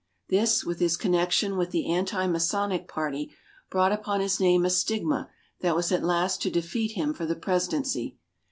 This, with his connection with the Anti Masonic Party, brought upon his name a stigma that was at last to defeat him for the Presidency.